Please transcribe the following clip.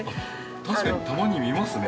確かにたまに見ますね。